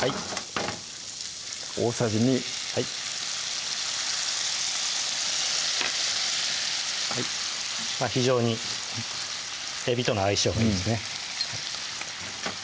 大さじ２はい非常にえびとの相性がいいですね